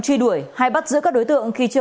truy đuổi hay bắt giữ các đối tượng khi chưa